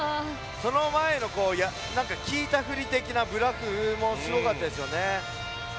その前の効いたふり的なブラフもすごかったですよね。